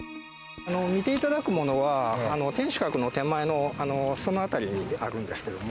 見て頂くものは天守閣の手前のその辺りにあるんですけども。